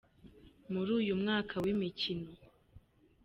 muri uyu mwaka w’imikino.